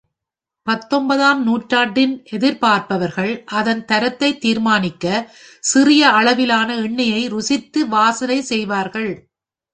பத்தொன்பதாம் நூற்றாண்டின் எதிர்பார்ப்பவர்கள் அதன் தரத்தை தீர்மானிக்க சிறிய அளவிலான எண்ணெயை ருசித்து வாசனை செய்வார்கள்.